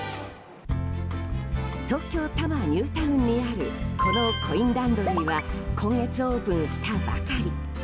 東京・多摩ニュータウンにあるこのコインランドリーは今月オープンしたばかり。